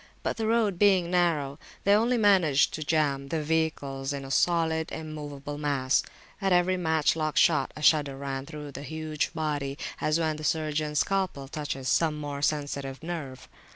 But the road being narrow, they only managed to jam the vehicles in a solid immovable mass. At every match lock shot, a shudder ran through the huge body, as when the surgeons scalpel touches some more sensitive nerve.